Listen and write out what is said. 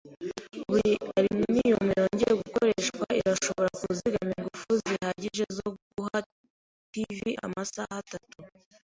Buri aluminiyumu yongeye gukoreshwa irashobora kuzigama ingufu zihagije zo guha TV amasaha atatu.